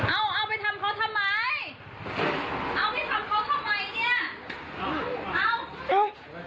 เอาเอาไปทำเขาทำไม